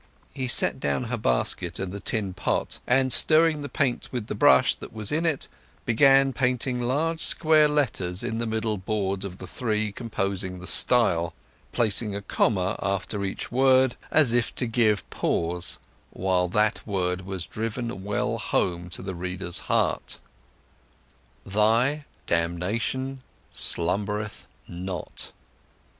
He set down her basket and the tin pot, and stirring the paint with the brush that was in it began painting large square letters on the middle board of the three composing the stile, placing a comma after each word, as if to give pause while that word was driven well home to the reader's heart— THY, DAMNATION, SLUMBERETH, NOT.